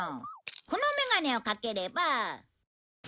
このメガネをかければ。